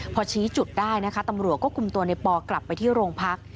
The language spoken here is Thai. พอชี้จุดได้นะคะตำรวจก็คุมตัวในปอกลับไปที่โรงพัก